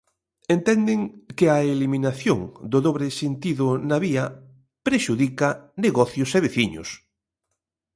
Entenden que a eliminación do dobre sentido na vía prexudica negocios e veciños.